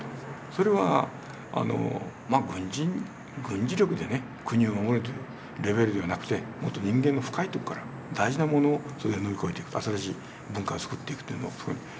それは軍事力で国を守れというレベルではなくてもっと人間の深いとこから大事なものを乗り越えていく新しい文化をつくっていくというのを。